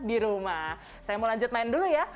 di rumah saya mau lanjut main dulu ya